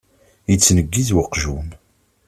Yettneggiz uqjun.